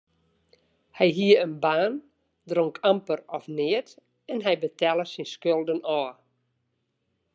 Hy hie in baan, dronk amper of neat en hy betelle syn skulden ôf.